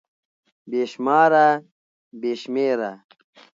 بې شماره √ بې شمېره